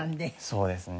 そうですね。